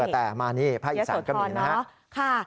แต่มานี่พระอีสานกะหมี่นะครับ